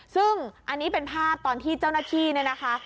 ซึ่งอันนี้เป็นภาพตอนที่เจ้านาทีนะคะ